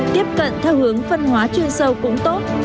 tiếp cận theo hướng phân hóa chuyên sâu cũng tốt